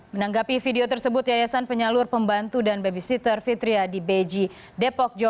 menanggapi video tersebut yayasan penyalur pembantu dan babysitter fitriya di beji depok jawa barat membenarkan bahwa